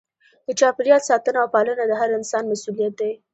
د چاپیریال ساتنه او پالنه د هر انسان مسؤلیت دی.